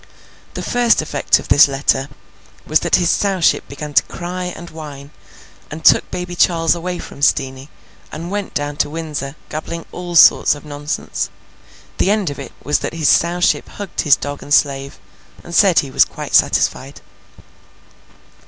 The first effect of this letter was that his Sowship began to cry and whine, and took Baby Charles away from Steenie, and went down to Windsor, gabbling all sorts of nonsense. The end of it was that his Sowship hugged his dog and slave, and said he was quite satisfied.